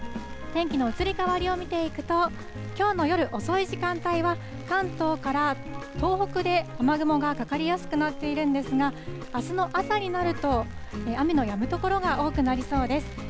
天気の移り変わりを見ていくと、きょうの夜遅い時間帯は、関東から東北で雨雲がかかりやすくなっているんですが、あすの朝になると、雨のやむ所が多くなりそうです。